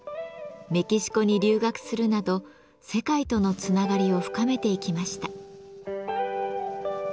メキシコに留学するなど世界とのつながりを深めていきました。